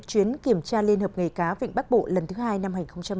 chuyến kiểm tra liên hợp nghề cá vịnh bắc bộ lần thứ hai năm hai nghìn một mươi chín